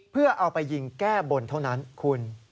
เพื่อเอาไปยิงแก้บนเท่านั้นคุณ